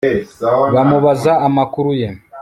bamubaza amakuru ye